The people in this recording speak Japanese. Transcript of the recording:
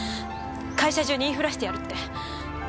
会社中に言いふらしてやるって。